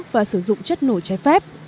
và sử dụng chất nổi trái phép